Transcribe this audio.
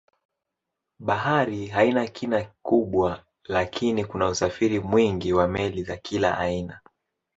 Bahari haina kina kubwa lakini kuna usafiri mwingi wa meli za kila aina.